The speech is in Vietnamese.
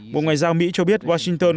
bộ ngoại giao mỹ cho biết washington